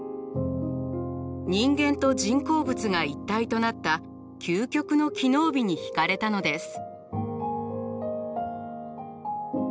人間と人工物が一体となった究極の機能美にひかれたのです。